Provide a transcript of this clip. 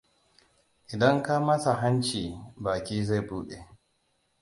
Idan ka matsa hanci baki zai buɗe.